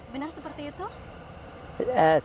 benar seperti itu